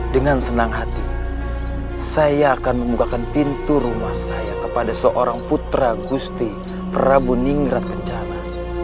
dengan senang hati saya akan membukakan pintu rumah saya kepada seorang putra gusti prabu ningrat kencana